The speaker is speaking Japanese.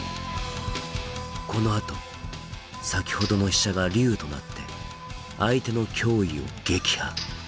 このあと先ほどの飛車が龍となって相手の脅威を撃破。